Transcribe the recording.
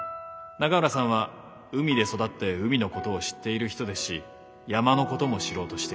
永浦さんは海で育って海のことを知っている人ですし山のことも知ろうとしている。